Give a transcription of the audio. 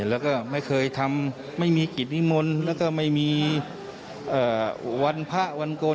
แล้วก็ไม่เคยทำไม่มีกิจนิมนต์แล้วก็ไม่มีวันพระวันโกน